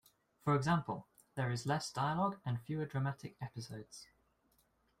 For example, there is less dialog and fewer dramatic episodes.